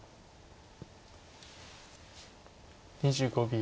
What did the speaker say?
２５秒。